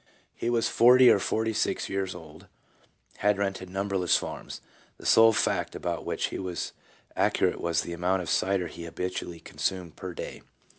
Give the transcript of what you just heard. He was forty or forty six years old, had rented numberless farms. The sole fact about which he was accurate was the amount of cider he habitually consumed per day.